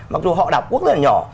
mặc dù họ đạp quốc rất là nhỏ